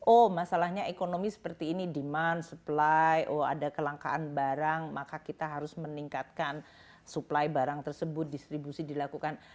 oh masalahnya ekonomi seperti ini demand supply oh ada kelangkaan barang maka kita harus meningkatkan suplai barang tersebut distribusi dilakukan